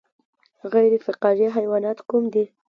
غیر فقاریه حیوانات کوم دي